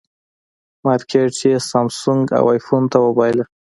مارکېټ یې سامسونګ او ایفون ته وبایله.